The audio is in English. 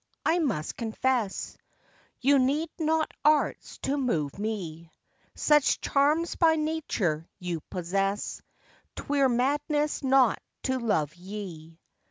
I must confess, You need not arts to move me; Such charms by nature you possess, 'Twere madness not to love ye.